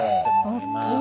大きい。